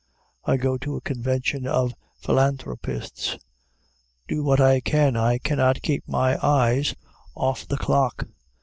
I go to a convention of philanthropists. Do what I can, I cannot keep my eyes off the clock.